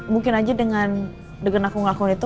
mungkin aja dengan dengan aku ngelakuin itu